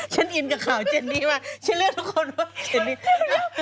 อินกับข่าวเจนนี่ว่าฉันเลือกทุกคนว่าเจนนี่